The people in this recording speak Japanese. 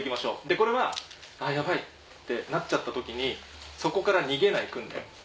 これは「やばい」ってなっちゃった時にそこから逃げない訓練。